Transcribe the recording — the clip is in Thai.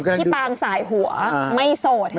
พี่ป๊ามสายหัวไม่สดไหม